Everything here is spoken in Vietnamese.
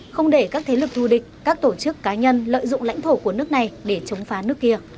không để các thế lực thù địch các tổ chức cá nhân lợi dụng lãnh thổ của nước này để chống phá nước kia